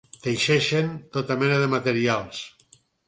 Teixeixen tota mena de materials.